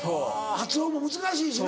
発音も難しいしな。